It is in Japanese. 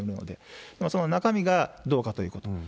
でもその中身がどうかということ。